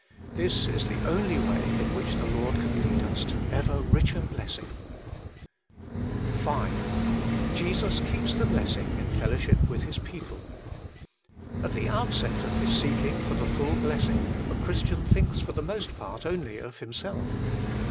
This is the only way in which the Lord can lead us to ever richer blessing. HOW IT MAY BE KEPT 101 V Jesus keeps the blessing in fellowship with His people. At the outset of His seeking for the full blessing a Christian thinks for the most part only of himself.